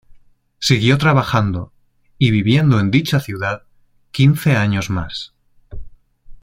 Siguió trabajando y viviendo en dicha ciudad quince años más.